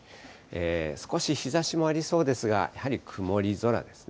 少し日ざしもありそうですが、やはり曇り空ですね。